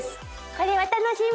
これは楽しみ！